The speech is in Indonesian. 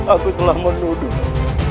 aku telah menuduh